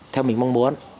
theo mình mong muốn